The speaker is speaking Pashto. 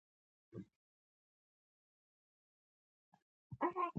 مېلمه ته د کور غړی حساب کړه.